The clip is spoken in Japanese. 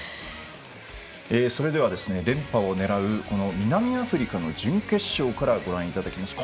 それでは連覇を狙う南アフリカの準決勝からご覧いただきましょう。